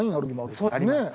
そうですね。